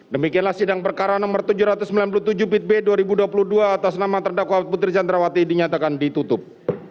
demikianlah sidang perkara nomor tujuh ratus sembilan puluh tujuh bitb dua ribu dua puluh dua atas nama terdakwa putri candrawati dinyatakan ditutup